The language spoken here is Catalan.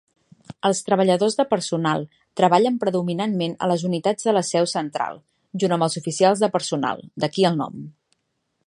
Els treballadors de personal treballen predominantment a les unitats de la seu central junt amb els oficials de personal, d'aquí el nom.